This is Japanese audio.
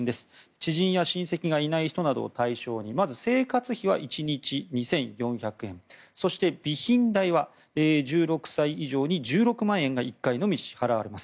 知人や親戚がいない人などを対象にまず生活費は１日２４００円そして、備品代は１６歳以上に１６万円が１回のみ支払われます。